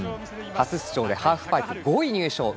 初出場でハーフパイプ、５位入賞。